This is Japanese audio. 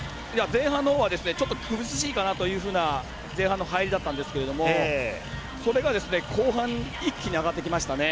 前半のほうは苦しいかなというふうな前半の入りだったんですけどそれが後半一気に上がってきましたね。